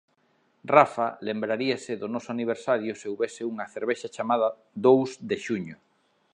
Rafa lembraríase do noso aniversario se houbese unha cervexa chamada dous de xuño.